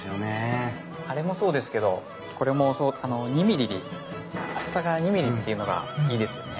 あれもそうですけどこれも厚さが２ミリっていうのがいいですよね。